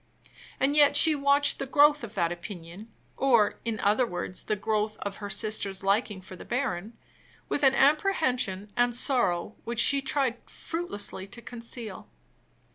And yet she watched the growth of that opinion or, in other words, the growth of her sister's liking for the baron with an apprehension and sorrow which she tried fruitlessly to conceal.